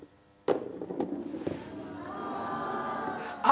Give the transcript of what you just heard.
あ。